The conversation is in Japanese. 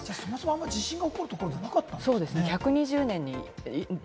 あまり地震が起こるところじゃなかったんですよね？